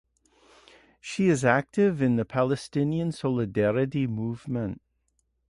She is active in the Palestinian solidarity movement.